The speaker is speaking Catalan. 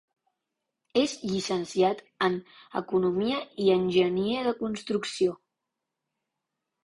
És llicenciat en economia i enginyer de construcció.